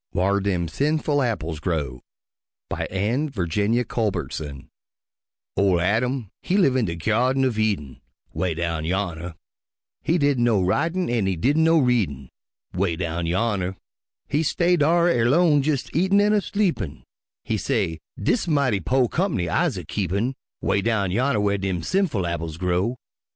WHAR DEM SINFUL APPLES GROW BY ANNE VIRGINIA CULBERTSON Ol' Adam he live in de Gyardin uv Eden, ('Way down yonner) He didn' know writin' an' he didn' know readin', ('Way down yonner) He stay dar erlone jes' eatin' an' a sleepin', He say, "Dis mighty po' comp'ny I'se a keepin'," 'Way down yonner whar dem sinful apples grow.